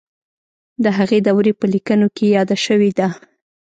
د هغې دورې په لیکنو کې یاده شوې ده.